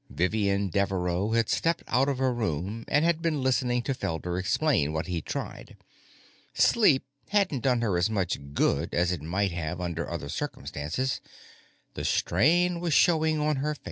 Vivian Devereaux had stepped out of her room and had been listening to Felder explain what he'd tried. Sleep hadn't done her as much good as it might have under other circumstances; the strain was showing on her face.